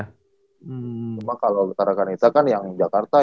cuma kalau tarakanisa kan yang jakarta